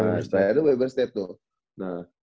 nah setelah itu website state tuh